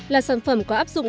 là sản phẩm có áp dụng